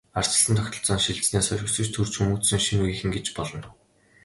Ардчилсан тогтолцоонд шилжсэнээс хойш өсөж, төрж хүмүүжсэн шинэ үеийнхэн гэж болно.